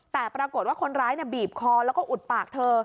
แต่ปรากฏว่าคนร้ายบีบคอแล้วก็อุดปากเธอ